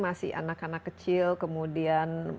masih anak anak kecil kemudian